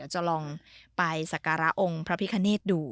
จะลองไปสักการะองค์พระพิคเนธดู